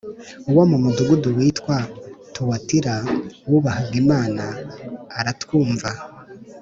wo mu mudugudu witwa Tuwatira, wubahaga Imana aratwumva.